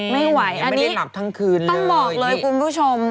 ไม่ไหวอันนี้ต้องบอกเลยคุณผู้ชม